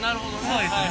そうですね。